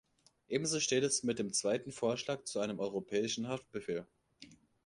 Ebenso steht es mit dem zweiten Vorschlag zu einem Europäischen Haftbefehl.